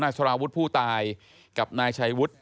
สารวุฒิผู้ตายกับนายชัยวุฒิ